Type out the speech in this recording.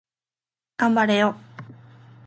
頑張れよ